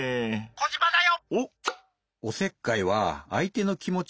「コジマだよ！」。